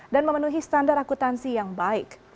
dan memenuhi standar akutansi yang baik